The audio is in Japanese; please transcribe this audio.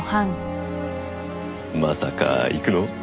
まさか行くの？